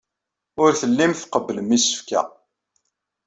Ur tellim tqebblem isefka.